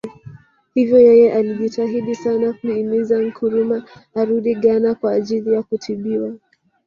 Hivyo yeye alijitahidi sana kuhimiza Nkrumah arudi Ghana kwa ajili ya kutibiwa